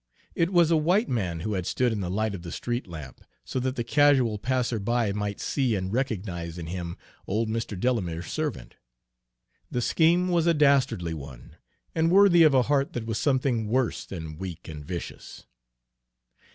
It was a white man who had stood in the light of the street lamp, so that the casual passer by might see and recognize in him old Mr. Delamere's servant. The scheme was a dastardly one, and worthy of a heart that was something worse than weak and vicious.